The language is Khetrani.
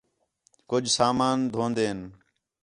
کُج سامان دھوندین